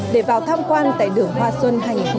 để vào tham quan tại đường hoa xuân hai nghìn hai mươi bốn